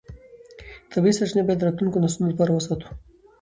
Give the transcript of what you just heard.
طبیعي سرچینې باید د راتلونکو نسلونو لپاره وساتو